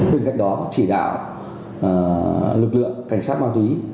bên cạnh đó chỉ đạo lực lượng cảnh sát ma túy